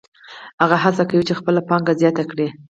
هغه هڅه کوي چې خپله پانګه زیاته کړي